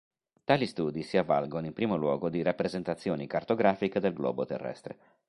Tali studi si avvalgono in primo luogo di rappresentazioni cartografiche del globo terrestre.